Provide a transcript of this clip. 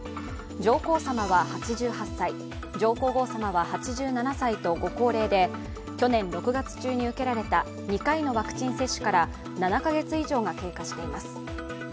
上皇さまは８８歳、上皇后さまは８７歳とご高齢で、去年６月中に受けられた２回のワクチン接種から７カ月以上が経過しています。